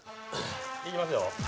いきますよ。